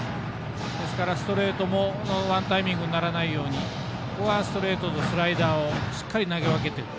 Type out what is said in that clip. ですから、ストレートもワンタイミングにならないようにここはストレートとスライダーをしっかりと投げ分けてる。